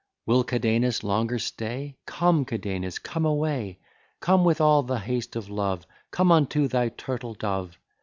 Will Cadenus longer stay? Come, Cadenus, come away; Come with all the haste of love, Come unto thy turtle dove.